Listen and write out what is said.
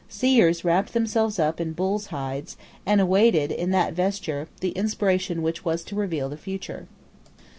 Seers wrapped themselves up in bulls' hides, and awaited, in that vesture, the inspiration which was to reveal the future.